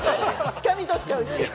つかみ取っちゃう。